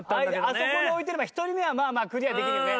あそこに置いてれば１人目はまあまあクリアできるよね。